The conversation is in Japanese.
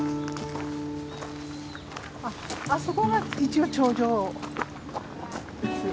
あっあそこが一応頂上です。